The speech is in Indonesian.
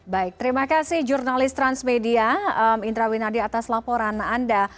baik terima kasih jurnalis transmedia indra winardi atas laporan anda